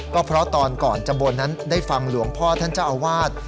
ก็เพราะตอนก่อนจำบนนั้นได้ฟังหลวงพ่อท่านเจ้าอาวาส